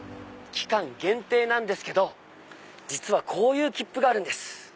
期間限定なんですけど実はこういう切符があるんです。